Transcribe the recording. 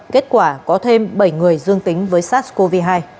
kết quả có thêm bảy người dương tính với sars cov hai